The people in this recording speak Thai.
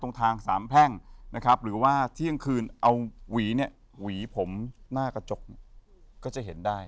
ทางสามแพ่งนะครับหรือว่าเที่ยงคืนเอาหวีเนี่ยหวีผมหน้ากระจกเนี่ยก็จะเห็นได้